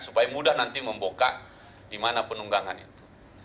supaya mudah nanti membuka di mana penunggangan itu